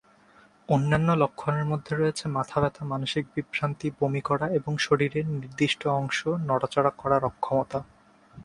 অন্যান্য লক্ষণের মধ্যে রয়েছে, মাথাব্যথা, মানসিক বিভ্রান্তি, বমি করা, এবং শরীরের নির্দিষ্ট অংশ নড়াচড়া করার অক্ষমতা।